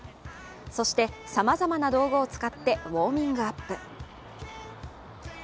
そして、さまざまな道具を使ってウォーミングアップ。